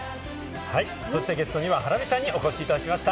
そしてゲストにはハラミちゃんにお越しいただきました。